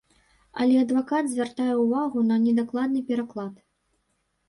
Але адвакат звяртае ўвагу на недакладны пераклад.